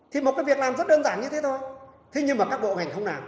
thì một cái việc làm rất đơn giản như thế thôi thế nhưng mà các bộ ngành không làm